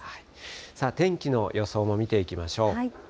天気の予想も見ていきましょう。